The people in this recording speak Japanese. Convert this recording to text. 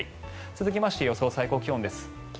続きまして、予想最高気温です。